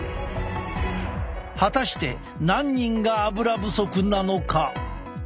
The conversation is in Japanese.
果たして何人がアブラ不足なのか？